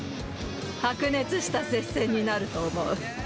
白熱した接戦になると思う。